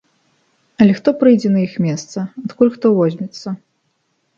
Але хто прыйдзе на іх месца, адкуль хто возьмецца?